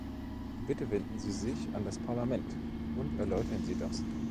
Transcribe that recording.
Bitte wenden Sie sich an das Parlament, und erläutern Sie das.